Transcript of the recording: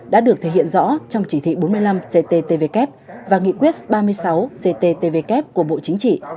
đã được thể hiện rõ trong chỉ thị bốn mươi năm cttvk và nghị quyết ba mươi sáu cttvk của bộ chính trị